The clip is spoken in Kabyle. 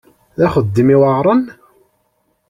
D axeddim iweɛṛen?